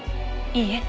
いいえ。